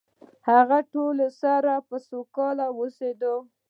هغه له ټولو سره په سوله کې اوسیده.